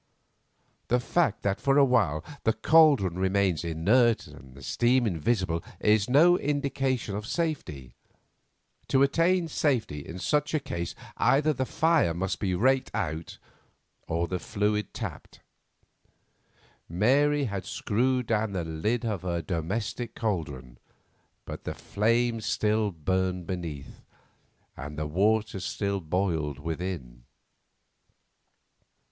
The fact that for a while the caldron remains inert and the steam invisible is no indication of safety. To attain safety in such a case either the fire must be raked out or the fluid tapped. Mary had screwed down the lid of her domestic caldron, but the flame still burned beneath, and the water still boiled within.